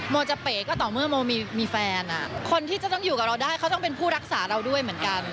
โมจะเป๋ก็ต่อเมื่อโมมีแฟนคนที่จะต้องอยู่กับเราได้เขาต้องเป็นผู้รักษาเราด้วยเหมือนกัน